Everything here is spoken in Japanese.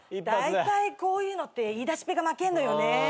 だいたいこういうのって言いだしっぺが負けんのよね。